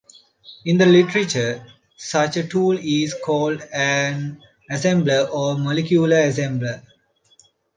In the literature, such a tool is called an assembler or molecular assembler.